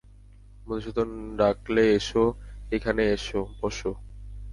মধুসূদন ডাকলে, এসো, এইখানে এসো, বসো।